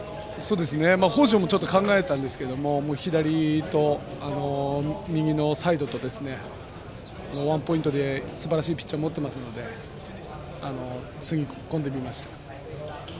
北條もちょっと考えたんですけど左と右のサイドとワンポイントですばらしいピッチャーを持っていますのでつぎ込んでみました。